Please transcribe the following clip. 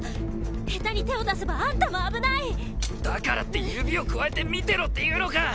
ヘタに手を出せばあんたも危ないだからって指をくわえて見てろって言うのか！